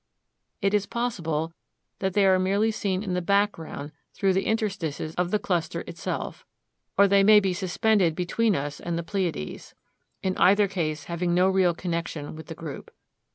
It is possible that they are merely seen in the background through the interstices of the cluster itself, or they may be suspended between us and the Pleiades, in either case having no real connection with the group.